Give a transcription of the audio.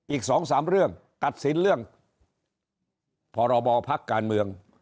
อีกสองสามเรื่องตัดสินเรื่องพรบพรรคการเมือง